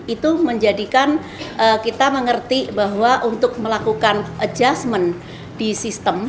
itu menjadikan kita mengerti bahwa untuk melakukan adjustment di sistem